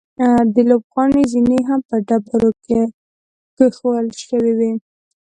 د لوبغالي زینې هم په ډبرو کښل شوې وې.